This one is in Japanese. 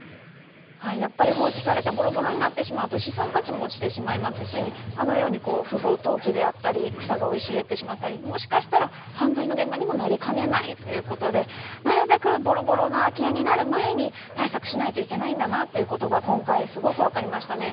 放置されてボロボロになってしまうと資産価値も落ちてしまいますしあのように不法投棄だったり草が生い茂ってしまったりもしかしたら犯罪の現場にもなりかねないということでなるべくボロボロな空き家になる前に対策しないといけないんだなということが今回すごく分かりましたね。